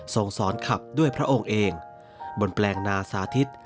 สอนสอนขับด้วยพระองค์เองบนแปลงนาสาธิต